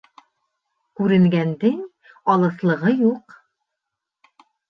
Күренгәндең алыҫлығы юҡ